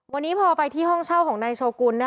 วันนี้พอไปที่ห้องเช่าของนายโชกุล